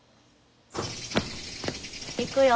行くよ。